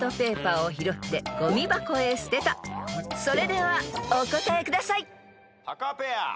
［それではお答えください］タカペア。